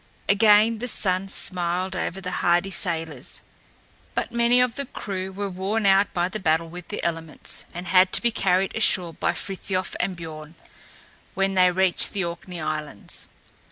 Again the sun smiled over the hardy sailors. But many of the crew were worn out by the battle with the elements and had to be carried ashore by Frithiof and Björn when they reached the Orkney Islands.